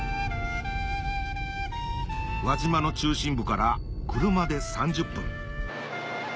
輪島の中心部から車で３０分